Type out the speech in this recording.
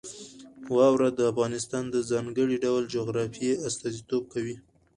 واوره د افغانستان د ځانګړي ډول جغرافیه استازیتوب کوي.